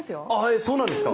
えそうなんですか。